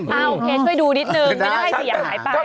โอเคช่วยดูนิดนึงไม่ได้เสียหายไป